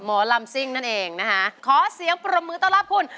หมอลำซิ่งนั่นเองนะคะขอเสียงปรบมือต้อนรับคุณ